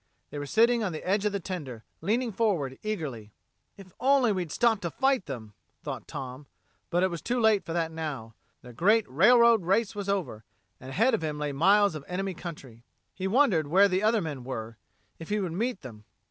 They were sitting on the edge of the tender, leaning forward eagerly. "If we'd only stopped to fight them!" thought Tom. But it was too late for that now. The great railroad race was over, and ahead of him lay miles of enemy country. He wondered where the other men were, if he would meet them.